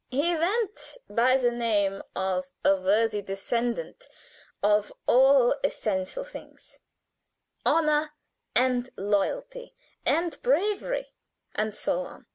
"He went by the name of a worthy descendant of all essential things: honor and loyalty and bravery, and so on.